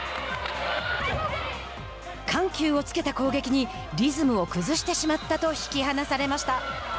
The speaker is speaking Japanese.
緩急をつけた攻撃にリズムを崩してしまったと引き離されました。